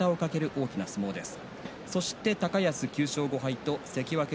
大事な相撲です。